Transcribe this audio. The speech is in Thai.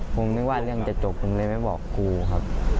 ผมนึกว่าเรื่องจะจบผมเลยไม่บอกครูครับ